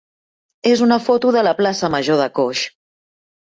és una foto de la plaça major de Coix.